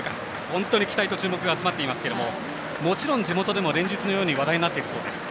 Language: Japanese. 本当に期待と注目が集まっていますがもちろん、地元でも連日、話題になっているそうです。